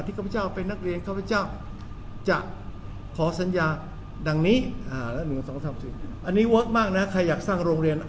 ที่ข้าพเจ้าเป็นนักเรียนข้าพเจ้าค่ะจะขอสัญญาดังนี้